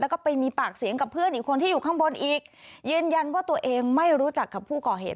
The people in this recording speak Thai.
แล้วก็ไปมีปากเสียงกับเพื่อนอีกคนที่อยู่ข้างบนอีกยืนยันว่าตัวเองไม่รู้จักกับผู้ก่อเหตุ